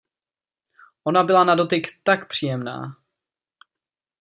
Ona byla na dotyk tak příjemná.